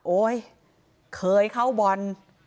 โอ๊ยเคยเข้าบอล